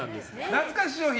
懐かし商品！